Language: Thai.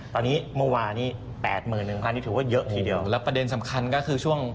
ตอนนี้เมื่อวานนี้๘๑๐๐นี่ถือว่าเยอะทีเดียวแล้วประเด็นสำคัญก็คือช่วง